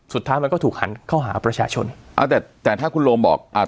สุดท้ายมันก็ถูกหันเข้าหาประชาชนเอาแต่แต่ถ้าคุณโรมบอกอ่า